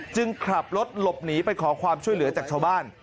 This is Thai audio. ขับรถหลบหนีไปขอความช่วยเหลือจากชาวบ้าน